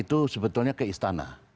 itu sebetulnya ke istana